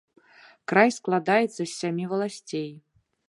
Край складаецца з сямі валасцей.